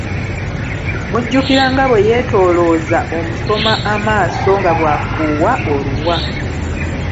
Mmujjukira nga bwe yeetoolooza omusoma amaaso nga bw'afuuwa oluwa.